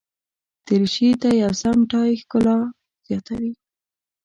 دریشي ته یو سم ټای ښکلا زیاتوي.